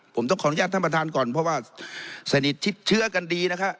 ผมต้องขออนุญาตท่านประธานก่อนเพราะว่าสนิทชิดเชื้อกันดีนะคะ